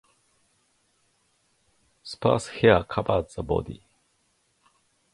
Sparse hair covers the body.